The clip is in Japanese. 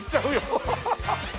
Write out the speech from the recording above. ハハハハ。